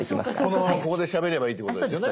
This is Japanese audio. このままここでしゃべればいいってことですよね？